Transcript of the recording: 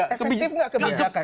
efektif nggak kebijakan